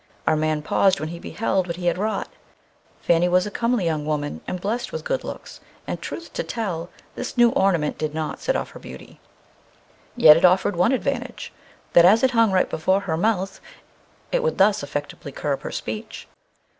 Our man paused when he beheld what he had wrought. Fanny was a comely young woman, and blest with good looks, and truth to tell, this new ornament did not set off her beauty. Yet it offered one advantage, that as it hung right before her mouth, it would thus effectively curb her speech.